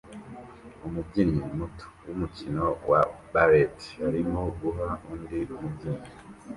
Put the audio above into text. Umubyinnyi muto wumukino wa ballet arimo guha undi mubyinnyi